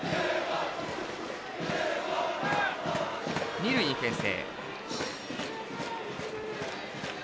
二塁にけん制。